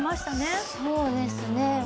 そうですね。